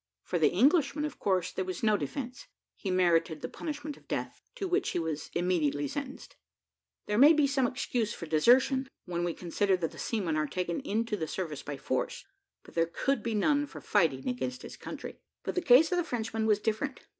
For the Englishman, of course, there was no defence; he merited the punishment of death, to which he was immediately sentenced. There may be some excuse for desertion, when we consider that the seamen are taken into the service by force, but there could be none for fighting against his country. But the case of the Frenchman was different.